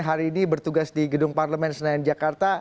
hari ini bertugas di gedung parlemen senayan jakarta